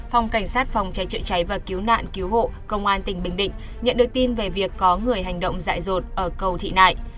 phòng cảnh sát phòng cháy chữa cháy và cứu nạn cứu hộ công an tỉnh bình định nhận được tin về việc có người hành động dại rột ở cầu thị nại